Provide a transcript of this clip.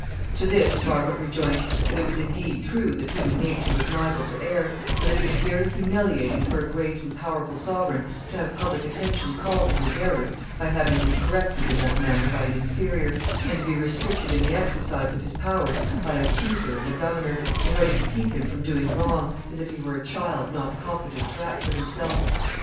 ] To this Margaret rejoined that it was indeed true that human nature was liable to err, but that it was very humiliating for a great and powerful sovereign to have public attention called to his errors by having them corrected in that manner by an inferior, and to be restricted in the exercise of his powers by a tutor and a governor, in order to keep him from doing wrong, as if he were a child not competent to act for himself.